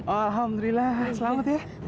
oh alhamdulillah selamat ya